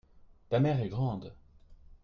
ta mère est grande.